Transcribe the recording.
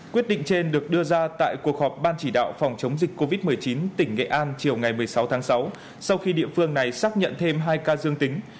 quyết định trên được đưa ra tại cuộc họp ban chỉ đạo phòng chống dịch covid một mươi chín tỉnh nghệ an chiều ngày một mươi sáu tháng sáu sau khi địa phương này xác nhận thêm hai ca dương tính